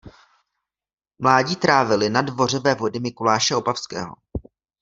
Mládí trávil na dvoře vévody Mikuláše Opavského.